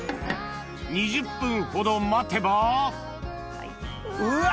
２０分ほど待てばうわ！